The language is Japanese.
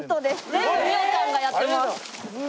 全部ミオちゃんがやってます。